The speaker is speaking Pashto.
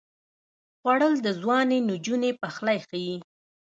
خوړل د ځوانې نجونې پخلی ښيي